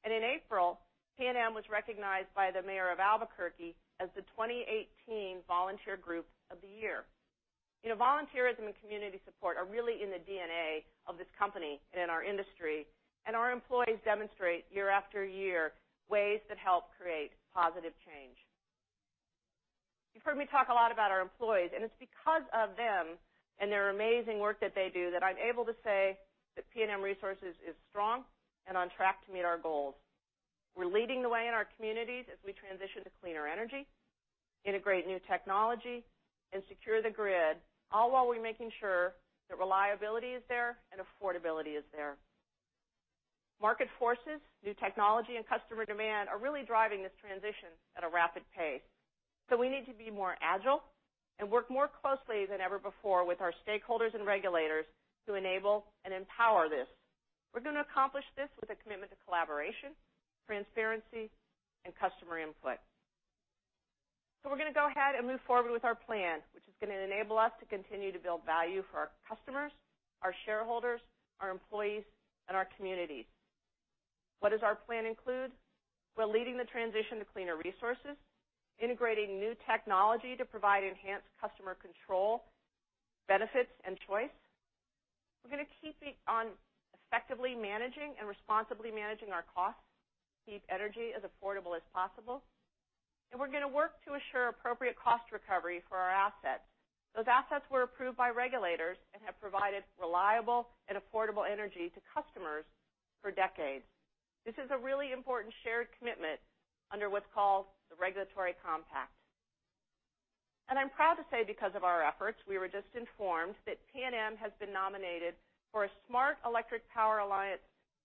In April, PNM was recognized by the mayor of Albuquerque as the 2018 Volunteer Group of the Year. Volunteerism and community support are really in the DNA of this company and in our industry, and our employees demonstrate year after year ways that help create positive change. You've heard me talk a lot about our employees, and it's because of them and their amazing work that they do that I'm able to say that PNM Resources is strong and on track to meet our goals. We're leading the way in our communities as we transition to cleaner energy, integrate new technology, and secure the grid, all while we're making sure that reliability is there and affordability is there. Market forces, new technology, and customer demand are really driving this transition at a rapid pace. We need to be more agile and work more closely than ever before with our stakeholders and regulators to enable and empower this. We're going to accomplish this with a commitment to collaboration, transparency, and customer input. We're going to go ahead and move forward with our plan, which is going to enable us to continue to build value for our customers, our shareholders, our employees, and our communities. What does our plan include? We're leading the transition to cleaner resources, integrating new technology to provide enhanced customer control, benefits, and choice. We're going to keep on effectively managing and responsibly managing our costs to keep energy as affordable as possible. We're going to work to assure appropriate cost recovery for our assets. Those assets were approved by regulators and have provided reliable and affordable energy to customers for decades. This is a really important shared commitment under what's called the Regulatory Compact. I'm proud to say because of our efforts, we were just informed that PNM has been nominated for a Smart Electric Power Alliance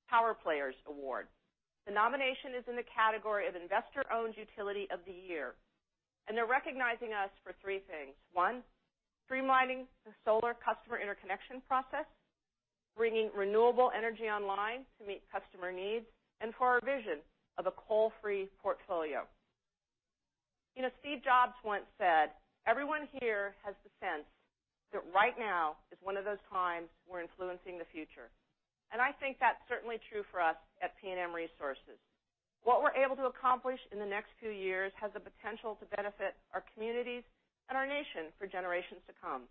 Power Players award. The nomination is in the category of Investor-Owned Utility of the Year, and they're recognizing us for three things. One, streamlining the solar customer interconnection process, bringing renewable energy online to meet customer needs, and for our vision of a coal-free portfolio. Steve Jobs once said, "Everyone here has the sense that right now is one of those times we're influencing the future." I think that's certainly true for us at PNM Resources. What we're able to accomplish in the next few years has the potential to benefit our communities and our nation for generations to come.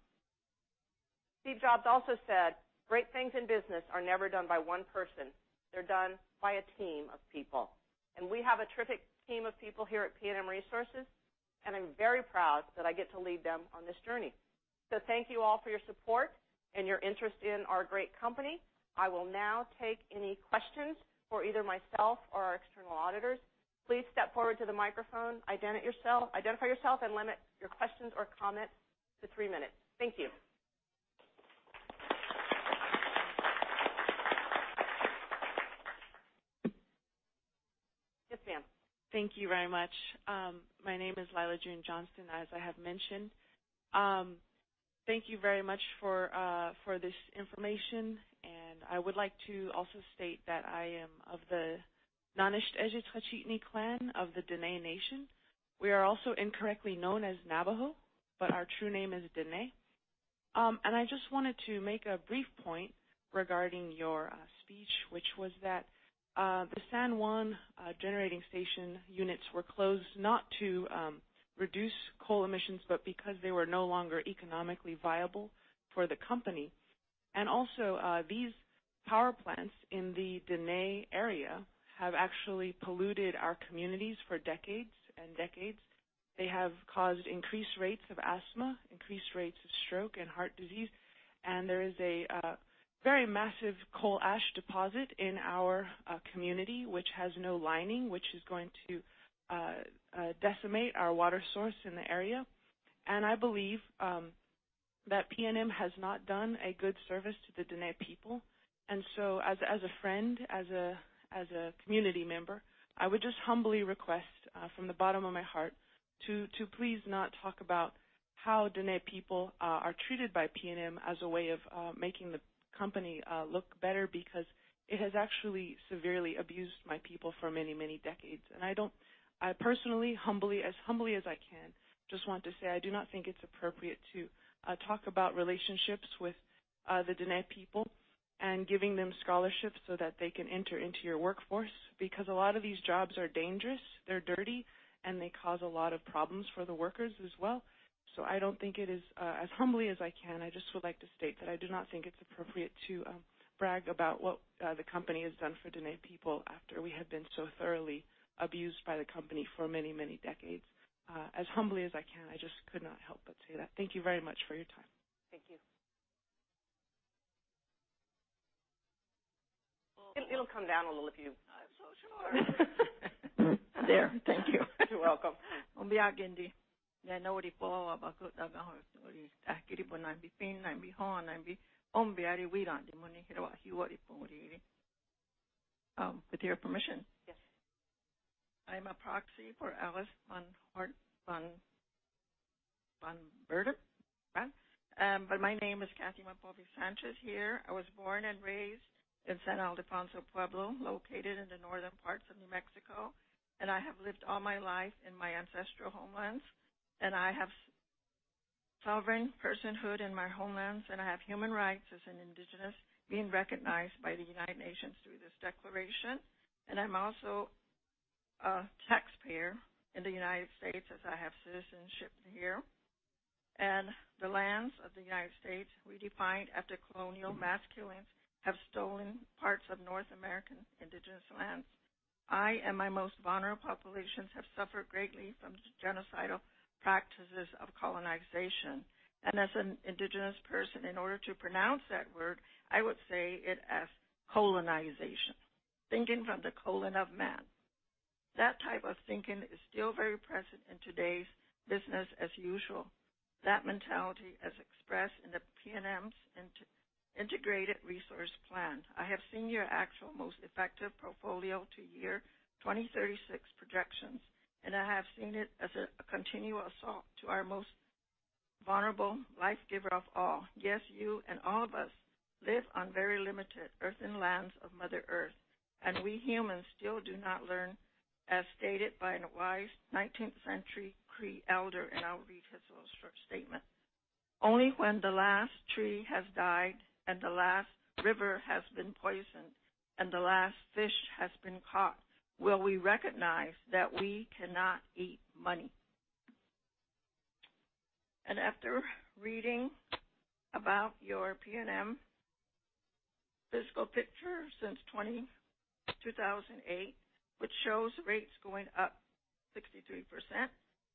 Steve Jobs also said, "Great things in business are never done by one person. They're done by a team of people." We have a terrific team of people here at PNM Resources, and I'm very proud that I get to lead them on this journey. Thank you all for your support and your interest in our great company. I will now take any questions for either myself or our external auditors. Please step forward to the microphone, identify yourself, and limit your questions or comments to 3 minutes. Thank you. Yes, ma'am. Thank you very much. My name is Lila June Johnston, as I have mentioned. Thank you very much for this information. I would like to also state that I am of the Nás'Áńízhí Táchii’nii clan of the Diné Nation. We are also incorrectly known as Navajo, but our true name is Diné. I just wanted to make a brief point regarding your speech, which was that the San Juan Generating Station units were closed not to reduce coal emissions, but because they were no longer economically viable for the company. Also, these power plants in the Diné area have actually polluted our communities for decades and decades. They have caused increased rates of asthma, increased rates of stroke and heart disease, there is a very massive coal ash deposit in our community, which has no lining, which is going to decimate our water source in the area. I believe that PNM has not done a good service to the Diné people. As a friend, as a community member, I would just humbly request from the bottom of my heart to please not talk about how Diné people are treated by PNM as a way of making the company look better because it has actually severely abused my people for many, many decades. I personally, as humbly as I can, just want to say I do not think it's appropriate to talk about relationships with the Diné people and giving them scholarships so that they can enter into your workforce because a lot of these jobs are dangerous, they're dirty, and they cause a lot of problems for the workers as well. As humbly as I can, I just would like to state that I do not think it's appropriate to brag about what the company has done for Diné people after we have been so thoroughly abused by the company for many, many decades. As humbly as I can, I just could not help but say that. Thank you very much for your time. Thank you. It'll come down a little. I'm so short. There. Thank you. You're welcome. With your permission. Yes. I'm a proxy for Alice Van Hort Van Berton. My name is Kathy Mapole Sanchez here. I was born and raised in San Ildefonso Pueblo, located in the northern parts of New Mexico, and I have lived all my life in my ancestral homelands. I have sovereign personhood in my homelands, and I have human rights as an Indigenous being recognized by the United Nations through this declaration. I'm also a taxpayer in the U.S., as I have citizenship here. The lands of the U.S., redefined after colonial masculines, have stolen parts of North American Indigenous lands. I and my most vulnerable populations have suffered greatly from genocidal practices of colonization. As an Indigenous person, in order to pronounce that word, I would say it as colonization, thinking from the colon of man. That type of thinking is still very present in today's business as usual. That mentality is expressed in the PNM's Integrated Resource Plan. I have seen your actual most effective portfolio to year 2036 projections, and I have seen it as a continual assault to our most vulnerable life giver of all. Yes, you and all of us live on very limited earth and lands of Mother Earth, and we humans still do not learn, as stated by a wise 19th century Cree elder in our resource statement. Only when the last tree has died, and the last river has been poisoned, and the last fish has been caught, will we recognize that we cannot eat money. After reading about your PNM fiscal picture since 2008, which shows rates going up 63%,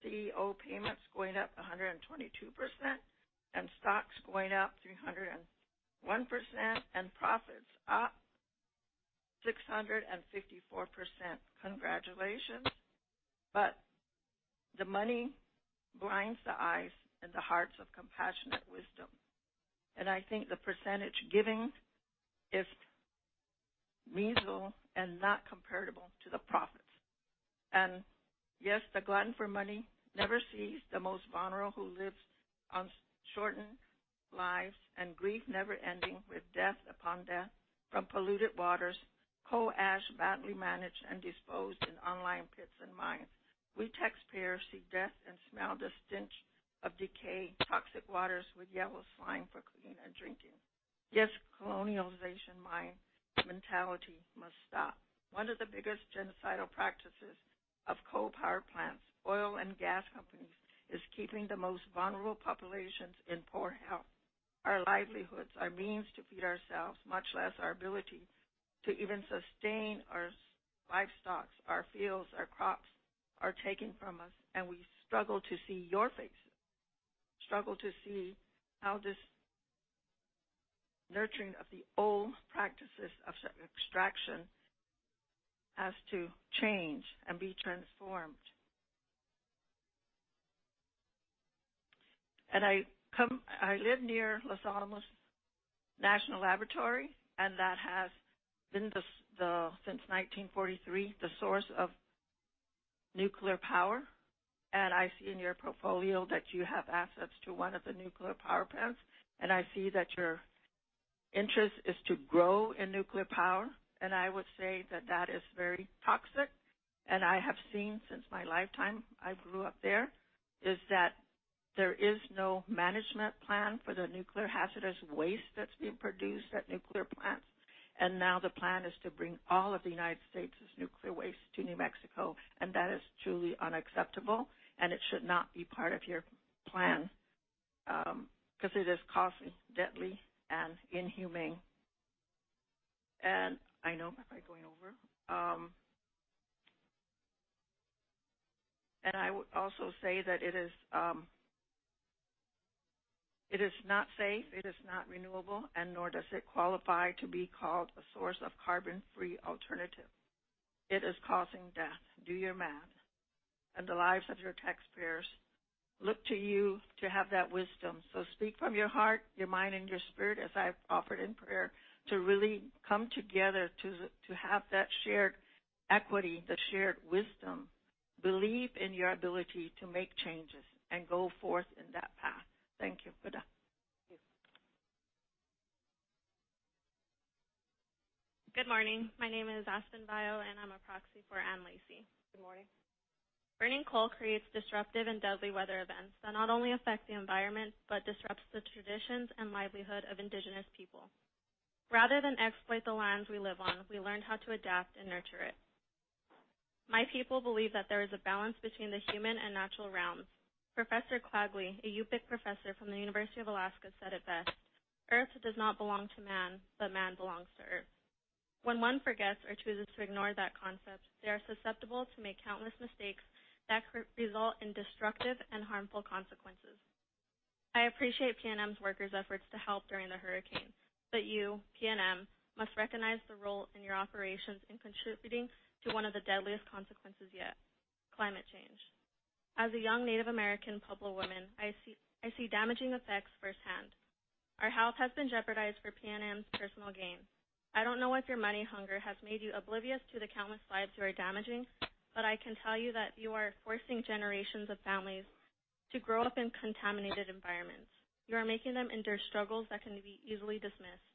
CEO payments going up 122%, and stocks going up 301%, and profits up 654%, congratulations. The money blinds the eyes and the hearts of compassionate wisdom. I think the percentage giving is reasonable and not comparable to the profits. Yes, the glutton for money never sees the most vulnerable who lives on shortened lives and grief never ending with death upon death from polluted waters, coal ash badly managed and disposed in unlined pits and mines. We taxpayers see death and smell the stench of decay, toxic waters with yellow slime for clean and drinking. Yes, colonization mind mentality must stop. One of the biggest genocidal practices of coal power plants, oil and gas companies, is keeping the most vulnerable populations in poor health. Our livelihoods, our means to feed ourselves, much less our ability to even sustain our livestocks, our fields, our crops, are taken from us, and we struggle to see your faces, struggle to see how this nurturing of the old practices of extraction has to change and be transformed. I live near Los Alamos National Laboratory, and that has been, since 1943, the source of nuclear power. I see in your portfolio that you have assets to one of the nuclear power plants, and I see that your interest is to grow in nuclear power, and I would say that that is very toxic. I have seen since my lifetime, I grew up there, is that there is no management plan for the nuclear hazardous waste that's being produced at nuclear plants. Now the plan is to bring all of the United States' nuclear waste to New Mexico. That is truly unacceptable. It should not be part of your plan, because it is costly, deadly, and inhumane. I know, am I going over? I would also say that it is not safe, it is not renewable, nor does it qualify to be called a source of carbon-free alternative. It is causing death. Do your math, and the lives of your taxpayers look to you to have that wisdom. Speak from your heart, your mind, and your spirit, as I've offered in prayer, to really come together to have that shared equity, the shared wisdom. Believe in your ability to make changes and go forth in that path. Thank you. Good day. Thank you. Good morning. My name is Aspen Bio, and I'm a proxy for Anne Lacey. Good morning. Burning coal creates disruptive and deadly weather events that not only affect the environment but disrupts the traditions and livelihood of indigenous people. Rather than exploit the lands we live on, we learn how to adapt and nurture it. My people believe that there is a balance between the human and natural realms. Professor Kawagley, a Yup'ik professor from the University of Alaska, said it best, "Earth does not belong to man, but man belongs to Earth." When one forgets or chooses to ignore that concept, they are susceptible to make countless mistakes that could result in destructive and harmful consequences. I appreciate PNM's workers' efforts to help during the hurricane, but you, PNM, must recognize the role in your operations in contributing to one of the deadliest consequences yet, climate change. As a young Native American Pueblo woman, I see damaging effects firsthand. Our health has been jeopardized for PNM's personal gain. I don't know if your money hunger has made you oblivious to the countless lives you are damaging, but I can tell you that you are forcing generations of families to grow up in contaminated environments. You are making them endure struggles that can be easily dismissed,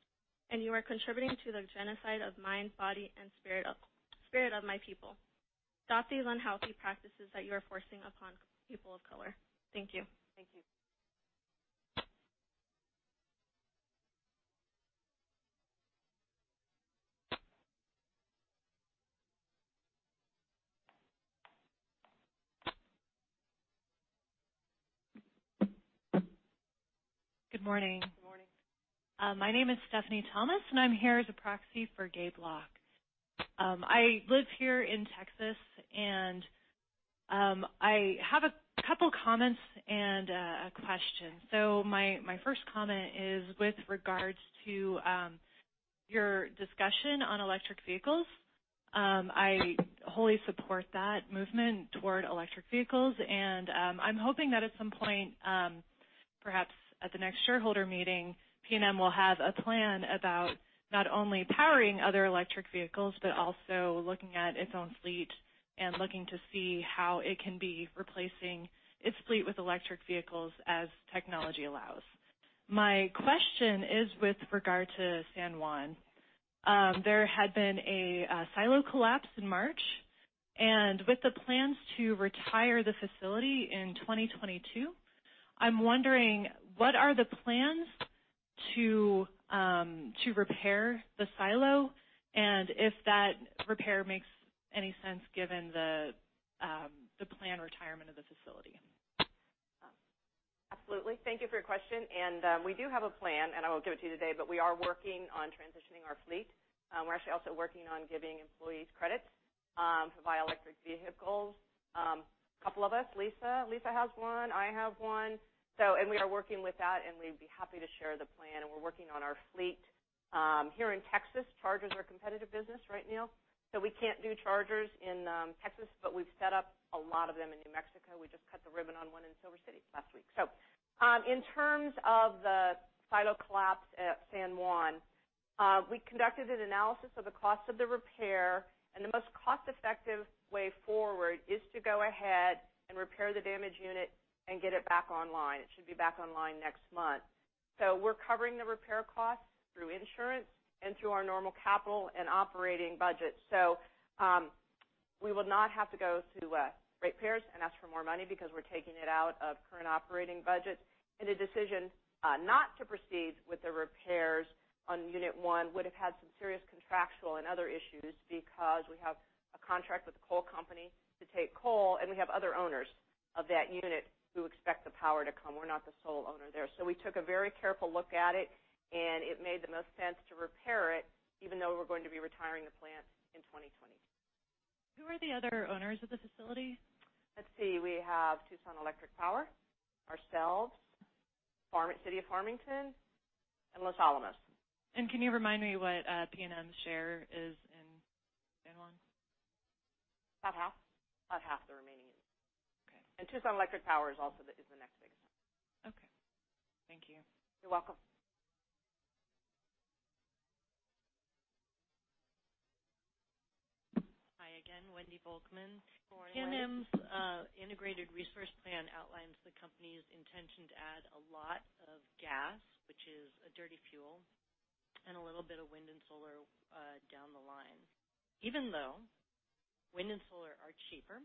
and you are contributing to the genocide of mind, body, and spirit of my people. Stop these unhealthy practices that you are forcing upon people of color. Thank you. Thank you. Good morning. Good morning. My name is Stephanie Thomas, and I'm here as a proxy for Gabe Locke. I live here in Texas, and I have a couple comments and a question. My first comment is with regards to your discussion on electric vehicles. I wholly support that movement toward electric vehicles, and I'm hoping that at some point, perhaps at the next shareholder meeting, PNM will have a plan about not only powering other electric vehicles, but also looking at its own fleet and looking to see how it can be replacing its fleet with electric vehicles as technology allows. My question is with regard to San Juan. There had been a silo collapse in March, and with the plans to retire the facility in 2022, I'm wondering what are the plans to repair the silo and if that repair makes any sense given the planned retirement of the facility? Absolutely. Thank you for your question. We do have a plan, and I won't give it to you today, but we are working on transitioning our fleet. We're actually also working on giving employees credits to buy electric vehicles. Couple of us, Lisa has one, I have one. We are working with that, and we'd be happy to share the plan, and we're working on our fleet. Here in Texas, chargers are a competitive business right now, so we can't do chargers in Texas, but we've set up a lot of them in New Mexico. We just cut the ribbon on one in Silver City last week. In terms of the silo collapse at San Juan, we conducted an analysis of the cost of the repair, and the most cost-effective way forward is to go ahead and repair the damaged unit and get it back online. It should be back online next month. We're covering the repair costs through insurance and through our normal capital and operating budget. We will not have to go to rate payers and ask for more money because we're taking it out of current operating budgets. A decision not to proceed with the repairs on unit 1 would've had some serious contractual and other issues because we have a contract with the coal company to take coal, and we have other owners of that unit who expect the power to come. We're not the sole owner there. We took a very careful look at it, and it made the most sense to repair it, even though we're going to be retiring the plant in 2022. Who are the other owners of the facility? Let's see. We have Tucson Electric Power, ourselves, City of Farmington, and Los Alamos. Can you remind me what PNM's share is in San Juan? About half. About half the remaining unit. Okay. Tucson Electric Power is also the next biggest. Okay. Thank you. You're welcome. Hi again. Wendy Volkman. Good morning, Wendy. PNM's Integrated Resource Plan outlines the company's intention to add a lot of gas, which is a dirty fuel, and a little bit of wind and solar down the line, even though wind and solar are cheaper,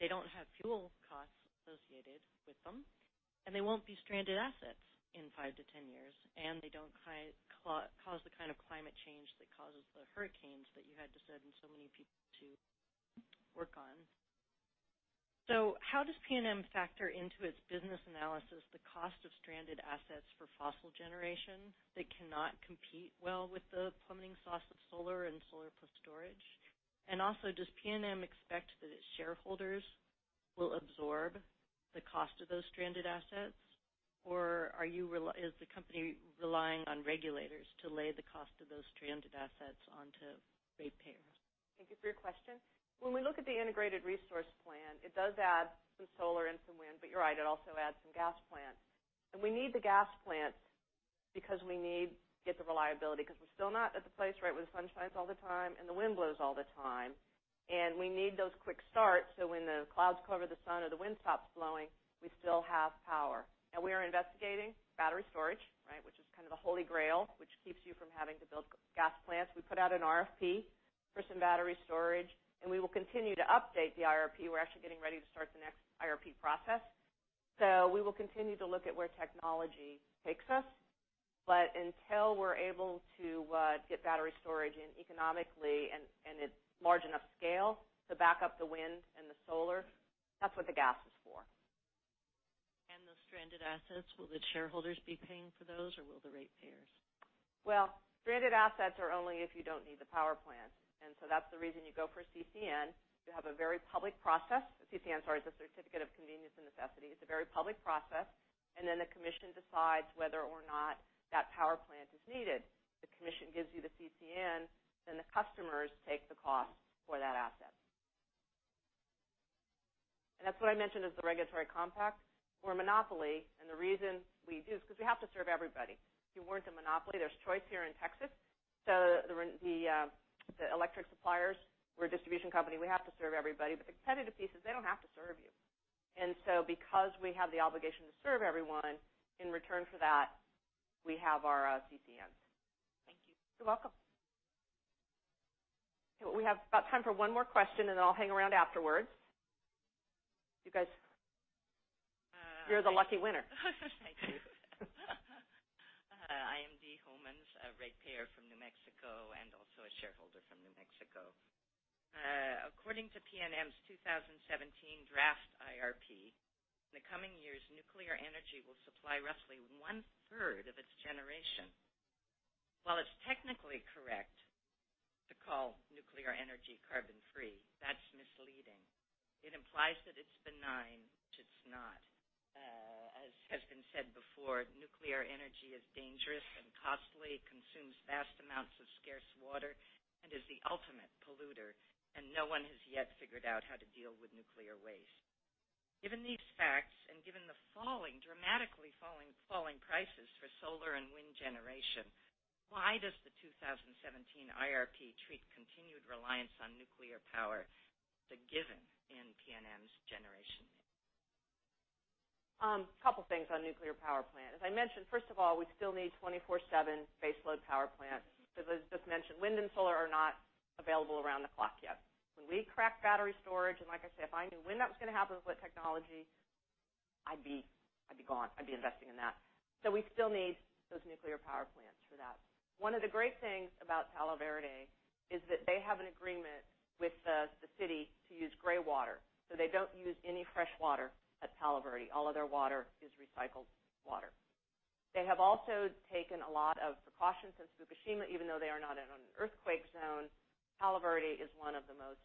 they don't have fuel costs associated with them, and they won't be stranded assets in 5 to 10 years, and they don't cause the kind of climate change that causes the hurricanes that you had to send so many people to work on. How does PNM factor into its business analysis the cost of stranded assets for fossil generation that cannot compete well with the plummeting source of solar and solar plus storage? Also, does PNM expect that its shareholders will absorb the cost of those stranded assets, or is the company relying on regulators to lay the cost of those stranded assets onto ratepayers? Thank you for your question. When we look at the Integrated Resource Plan, it does add some solar and some wind, but you're right, it also adds some gas plants. We need the gas plants because we need to get the reliability, because we're still not at the place, right, where the sun shines all the time and the wind blows all the time, and we need those quick starts so when the clouds cover the sun or the wind stops blowing, we still have power. Now we are investigating battery storage, which is kind of the holy grail, which keeps you from having to build gas plants. We put out an RFP for some battery storage, and we will continue to update the IRP. We're actually getting ready to start the next IRP process. We will continue to look at where technology takes us, but until we're able to get battery storage in economically and at large enough scale to back up the wind and the solar, that's what the gas is for. The stranded assets, will the shareholders be paying for those, or will the rate payers? Well, stranded assets are only if you don't need the power plant. That's the reason you go for a CCN. You have a very public process. A CCN, sorry, is a certificate of convenience and necessity. It's a very public process, and then the commission decides whether or not that power plant is needed. If the commission gives you the CCN, the customers take the cost for that asset. That's what I mentioned as the Regulatory Compact. We're a monopoly. The reason we do is because we have to serve everybody. If we weren't a monopoly, there's choice here in Texas. The electric suppliers, we're a distribution company, we have to serve everybody. The competitive pieces, they don't have to serve you. Because we have the obligation to serve everyone, in return for that, we have our CCNs. Thank you. You're welcome. Okay, we have about time for one more question. I'll hang around afterwards. You guys. You're the lucky winner. Thank you. I am Dee Homans, a rate payer from New Mexico and also a shareholder from New Mexico. According to PNM's 2017 draft IRP, in the coming years, nuclear energy will supply roughly one-third of its generation. While it's technically correct to call nuclear energy carbon-free, that's misleading. It implies that it's benign, which it's not. As has been said before, nuclear energy is dangerous and costly, consumes vast amounts of scarce water, and is the ultimate polluter, and no one has yet figured out how to deal with nuclear waste. Given these facts, and given the dramatically falling prices- solar and wind generation, why does the 2017 IRP treat continued reliance on nuclear power as a given in PNM's generation mix? Couple things on nuclear power plant. As I mentioned, first of all, we still need 24/7 base load power plants. As was just mentioned, wind and solar are not available around the clock yet. When we crack battery storage, and like I said, if I knew when that was going to happen with technology, I'd be gone. I'd be investing in that. We still need those nuclear power plants for that. One of the great things about Palo Verde is that they have an agreement with the city to use gray water, so they don't use any fresh water at Palo Verde. All of their water is recycled water. They have also taken a lot of precautions since Fukushima, even though they are not in an earthquake zone. Palo Verde is one of the most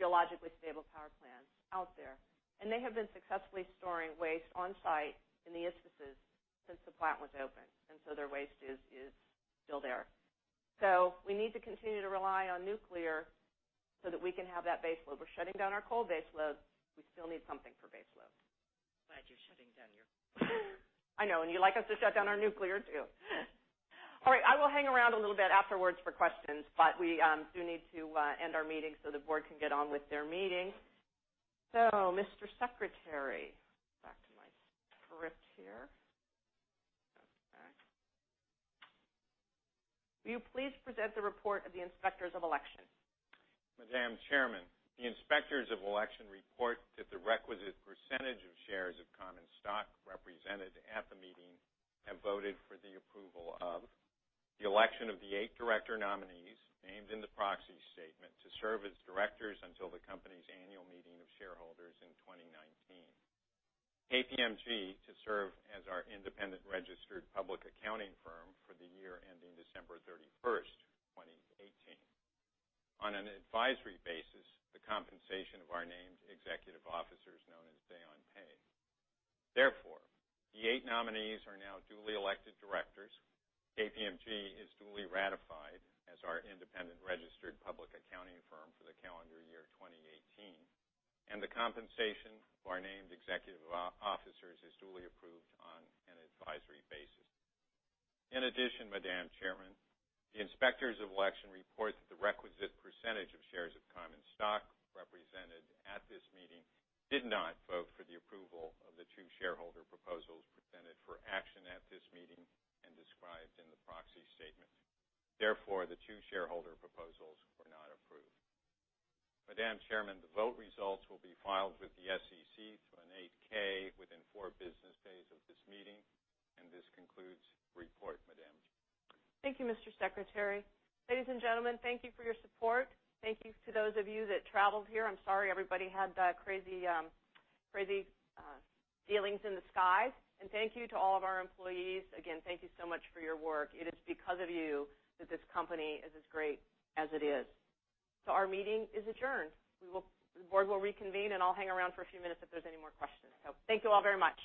geologically stable power plants out there, they have been successfully storing waste on-site in the ISFSIs since the plant was open, their waste is still there. We need to continue to rely on nuclear so that we can have that base load. We're shutting down our coal base load. We still need something for base load. Glad you're shutting down your coal. I know, and you'd like us to shut down our nuclear too. All right, I will hang around a little bit afterwards for questions, but we do need to end our meeting so the board can get on with their meeting. Mr. Secretary, back to my script here. Okay. Will you please present the report of the inspectors of election? Madam Chairman, the inspectors of election report that the requisite percentage of shares of common stock represented at the meeting have voted for the approval of the election of the eight director nominees named in the proxy statement to serve as directors until the company's annual meeting of shareholders in 2019. KPMG to serve as our independent registered public accounting firm for the year ending December 31st, 2018. On an advisory basis, the compensation of our named executive officers known as say on pay. The eight nominees are now duly elected directors. KPMG is duly ratified as our independent registered public accounting firm for the calendar year 2018, and the compensation of our named executive officers is duly approved on an advisory basis. In addition, Madam Chairman, the inspectors of election report that the requisite percentage of shares of common stock represented at this meeting did not vote for the approval of the two shareholder proposals presented for action at this meeting and described in the proxy statement. The two shareholder proposals were not approved. Madam Chairman, the vote results will be filed with the SEC through an 8-K within four business days of this meeting, this concludes the report, Madam Chairman. Thank you, Mr. Secretary. Ladies and gentlemen, thank you for your support. Thank you to those of you that traveled here. I'm sorry everybody had crazy dealings in the sky. Thank you to all of our employees. Again, thank you so much for your work. It is because of you that this company is as great as it is. Our meeting is adjourned. The board will reconvene, and I'll hang around for a few minutes if there are any more questions. Thank you all very much.